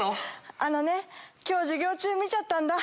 あのね今日授業中見ちゃったんだ。